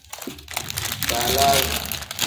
Baalasi.